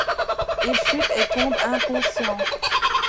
Il chute et tombe inconscient.